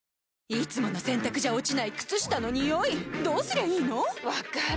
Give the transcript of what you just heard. いつもの洗たくじゃ落ちない靴下のニオイどうすりゃいいの⁉分かる。